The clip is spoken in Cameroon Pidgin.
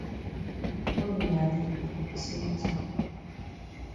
No be na de same tin.